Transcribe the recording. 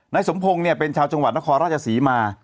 นายสมพงศ์เป็นชาวจังหวัดนครราชศรีมา